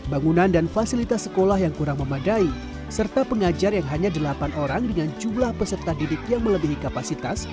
bangunan dan fasilitas sekolah yang kurang memadai serta pengajar yang hanya delapan orang dengan jumlah peserta didik yang melebihi kapasitas